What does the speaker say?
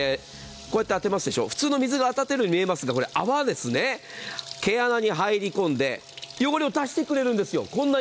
こうやってあてますでしょう、普通に当たっているように見えますがこれ泡ですね、毛穴に入り込んで汚れを出してくれるんですよ。